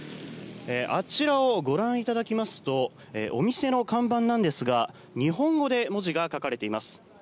あちらをご覧いただきますとお店の看板ですが日本語で文字が書かれています。